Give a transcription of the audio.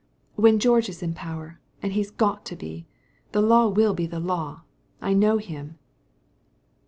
"When George is in power and he's got to be the Law will be the Law. I know him."